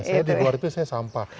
saya di luar itu saya sampah